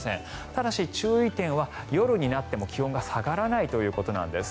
ただし、注意点は夜になっても気温が下がらないということなんです。